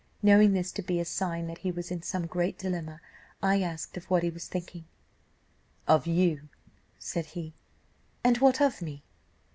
Knowing this to be a sign that he was in some great dilemma, I asked of what he was thinking. 'Of you,' said he. 'And what of me?